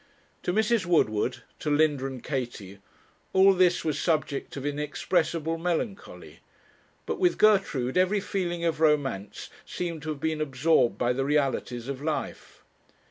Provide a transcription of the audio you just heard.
To Mrs. Woodward, to Linda, and Katie, all this was subject of inexpressible melancholy; but with Gertrude every feeling of romance seemed to have been absorbed by the realities of life.